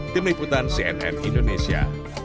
tim liputan cnn indonesia